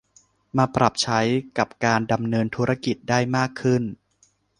มาปรับใช้กับการดำเนินธุรกิจได้มากขึ้น